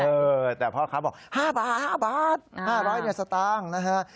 เออแต่พ่อค้าบอก๕บาท๕๐๐บาทสักตังค์นะฮะ